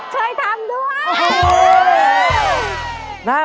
ช่วยทำด้วย